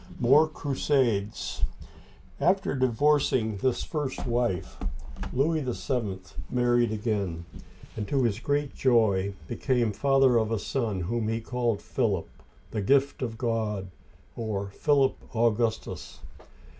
MORE CRUSADES AFTER divorcing this first wife, Louis VII. married again, and to his great joy became father of a son, whom he called Philip, "the Gift of God," or Philip Augustus.